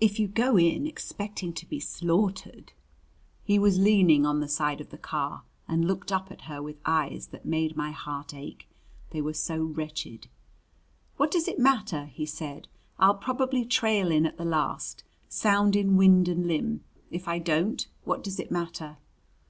"If you go in expecting to slaughtered " He was leaning on the side of the car and looked up at her with eyes that made my heart ache, they were so wretched. "What does it matter?" he said. "I'll probably trail in at the last, sound in wind and limb. If I don't, what does it matter?"